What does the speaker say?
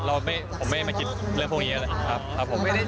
ผมไม่มาคิดเรื่องพวกนี้เลยครับผม